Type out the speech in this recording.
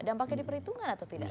dampaknya diperhitungkan atau tidak